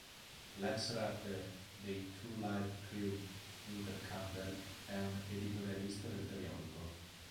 L'ex rapper dei Two Live Crew Luther Campbell è un editorialista del periodico.